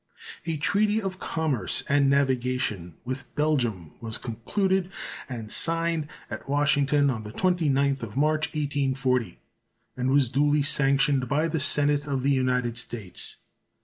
A treaty of commerce and navigation with Belgium was concluded and signed at Washington on the 29th of March, 1840, and was duly sanctioned by the Senate of the United States.